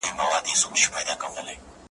بس کلمات وي، شرنګ وي ,